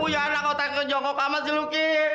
punya anak otak yang kejongkok amat sih lucky